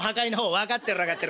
「分かってる分かってる。